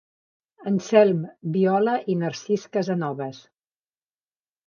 Anselm Viola i Narcís Casanoves.